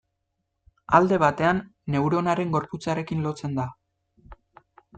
Alde batean, neuronaren gorputzarekin lotzen da.